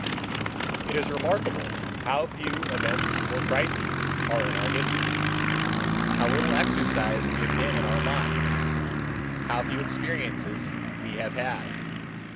It is remarkable how few events or crises there are in our histories, how little exercised we have been in our minds, how few experiences we have had.